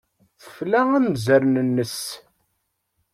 Tefla anzaren-nnes.